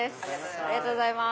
ありがとうございます。